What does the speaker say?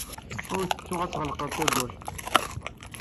Ur ttettu ad tɣelqeḍ tawwurt.